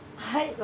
はい。